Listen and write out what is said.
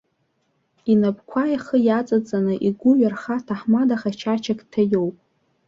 Инапқәа ихы иаҵаҵаны, игәы ҩарха, ҭаҳмада хачачак дҭаиоуп.